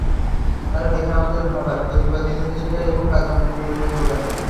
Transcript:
তাঁর লেখা আমাদের ভাবায়, প্রতিবাদী হতে শেখায় এবং কাজে অনুপ্রেরণা জোগায়।